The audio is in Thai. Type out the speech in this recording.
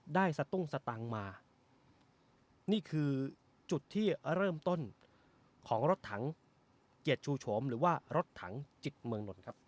สตุ้งสตางค์มานี่คือจุดที่เริ่มต้นของรถถังเกียรติชูโฉมหรือว่ารถถังจิตเมืองนนท์ครับ